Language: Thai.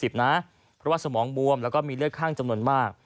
เพราะว่าสมองบวมแล้วก็มีเลือดข้างจำนวนมาก